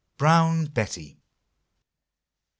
BROWN BETTY. Mrs.